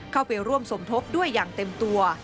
เข้าไปร่วมสมทบด้วยอย่างเต็มตัว